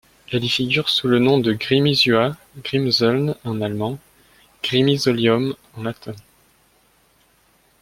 Elle y figure sous le nom de Grimisuat, Grimseln en allemand, Grimisolium en latin.